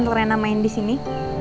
kalo rena main disini